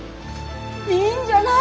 いいんじゃない？